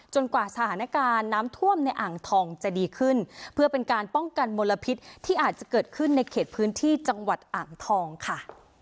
กว่าสถานการณ์น้ำท่วมในอ่างทองจะดีขึ้นเพื่อเป็นการป้องกันมลพิษที่อาจจะเกิดขึ้นในเขตพื้นที่จังหวัดอ่างทองค่ะ